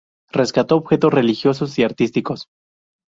Rescató objetos religiosos y artísticos.